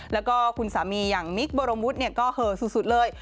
แล้วก็คุณสามีอย่างมิคบรมวุฒิก็เหอสุดเลย